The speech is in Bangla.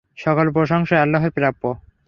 সকল প্রশংসা আল্লাহরই প্রাপ্য।